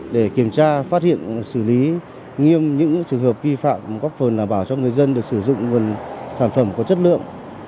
để kiểm tra phát hiện xử lý nghiêm những trường hợp vi phạm góp phần đảm bảo cho người dân được sử dụng nguồn sản phẩm có chất lượng